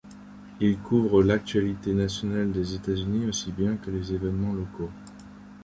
Il couvre l'actualité nationale des États-Unis aussi bien que les évènements locaux.